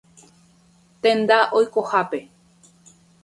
Tenda oikohápe.